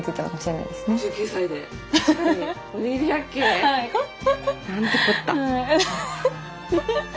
なんてこった！